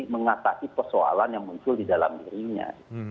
mengatasi persoalan yang muncul di dalam dirinya